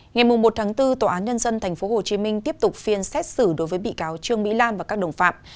ngày một bốn tòa án nhân dân tp hcm tiếp tục phiên xét xử đối với bị cáo trương mỹ lan và các đồng phạm